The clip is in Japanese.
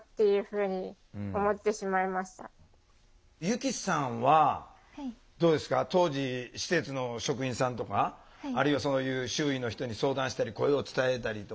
ゆきさんはどうですか当時施設の職員さんとかあるいはそういう周囲の人に相談したり声を伝えたりとかしたことあります？